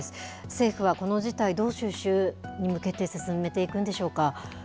政府はこの事態、どう収拾に向けて進めていくんでしょうか。